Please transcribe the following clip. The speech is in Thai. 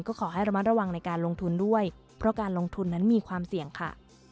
ก็ขอให้ระมัดระวังในการลงทุนด้วยเพราะการลงทุนนั้นมีความเสี่ยงค่ะ